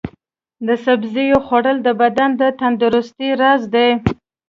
د سبزیو خوړل د بدن د تندرستۍ راز دی.